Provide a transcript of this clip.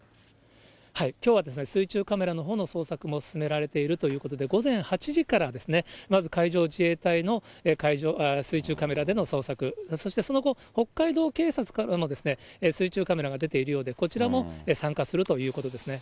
きょうは水中カメラのほうの捜索も進められているということで、午前８時から、まず海上自衛隊の水中カメラでの捜索、そしてその後、北海道警察からも水中カメラが出ているようで、こちらも参加するということですね。